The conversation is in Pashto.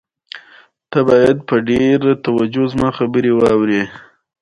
ملا چې د مطلوبې ښځې خاوند ولید چې مخامخ پر قبله ناست دی.